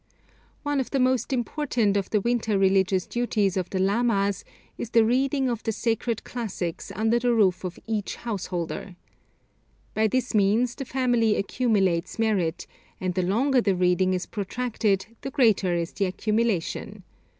One of the most important of the winter religious duties of the lamas is the reading of the sacred classics under the roof of each householder. By this means the family accumulate merit, and the longer the reading is protracted the greater is the accumulation.